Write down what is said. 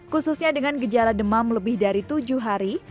khususnya dengan gejala demam lebih dari tujuh hari